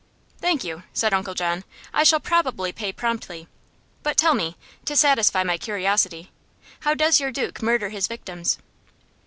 "Thank you," said Uncle John. "I shall probably pay promptly. But tell me, to satisfy my curiosity, how does your duke murder his victims?"